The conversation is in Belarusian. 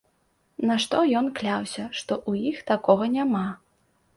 На што ён кляўся, што ў іх такога няма.